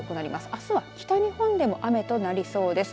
あすは北日本で雨となりそうです。